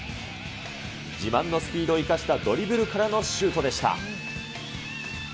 自慢のスピードを生かしたドリブルからのシュートでした。